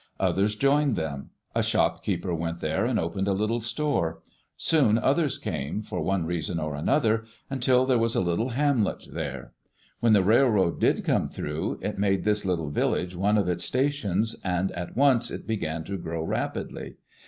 Others joined them; a shop keeper went there and opened a little store. Soon others came, for one reason or another, until there was a little hamlet there. When the railroad did come through, it made this little village one of its stations and at once it began to grow rapidly.